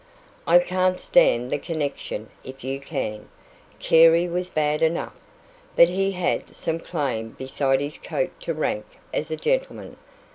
"I can't stand the connection, if you can. Carey was bad enough, but he had some claim beside his coat to rank as a gentleman.